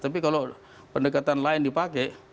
tapi kalau pendekatan lain dipakai